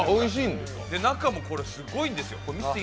中もすごいんですよ。